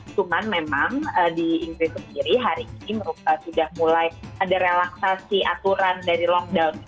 cuman memang di inggris sendiri hari ini sudah mulai ada relaksasi aturan dari lockdown